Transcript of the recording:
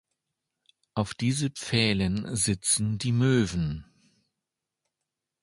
Auf diese Pfählen sitzen die Möven.